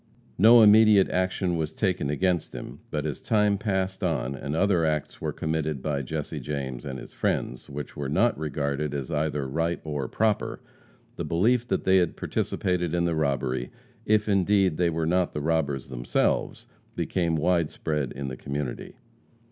No immediate action was taken against him, but as time passed on, and other acts were committed by Jesse James and his friends, which were not regarded as either right or proper, the belief that they had participated in the robbery, if, indeed, they were not the robbers themselves, became wide spread in the community.